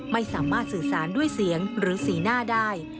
ไม่สามารถสื่อสารด้วยเสียงหรือสีหน้าได้